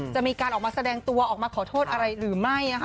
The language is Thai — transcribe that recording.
จะมีการออกมาแสดงตัวออกมาขอโทษอะไรหรือไม่นะคะ